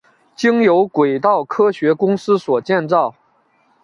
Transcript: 经由轨道科学公司所建造。